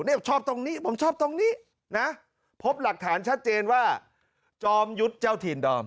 ชอบตรงนี้ผมชอบตรงนี้นะพบหลักฐานชัดเจนว่าจอมยุทธ์เจ้าถิ่นดอม